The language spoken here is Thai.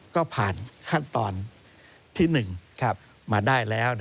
ก็ผ่านขั้นตอนที่๑มาได้แล้ว